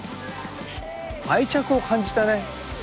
愛着を感じたね。